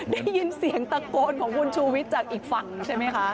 ได้ยินเสียงตะโกนของคุณชูวิทย์จากอีกฝั่งใช่ไหมคะ